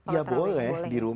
iya boleh di rumah